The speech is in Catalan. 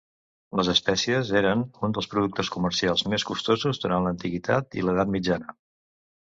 Les espècies eren un dels productes comercials més costosos durant l'Antiguitat i l'edat mitjana.